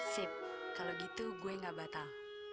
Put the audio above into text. sip kalau gitu gue gak batal